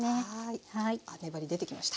粘り出てきました。